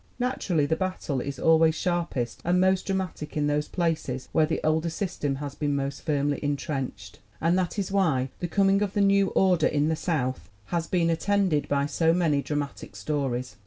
Naturally the battle is always sharpest and most dramatic in those places where the older system has been most firmly intrenched. And that is why the coming of the new order in the South has been 32 THE WOMEN WHO MAKE OUR NOVELS attended by so many dramatic stories.